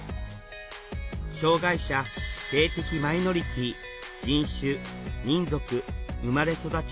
障害者性的マイノリティー人種・民族生まれ育ち。